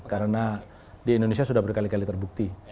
karena di indonesia sudah berkali kali terbukti